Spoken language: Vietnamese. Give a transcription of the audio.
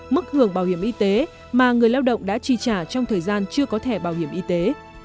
mức hưởng bảo hiểm y tế mà người lao động đã chi trả trong thời gian chưa có thẻ bảo hiểm y tế